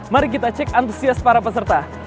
mari kita cek antusias para peserta